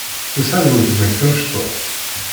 Tesɛiḍ weltma-k tamecṭuḥt?